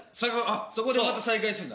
そこでまた再会するんだ。